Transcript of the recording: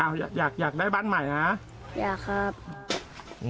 อ้าวอยากอยากได้บ้านใหม่นะฮะอยากครับอืม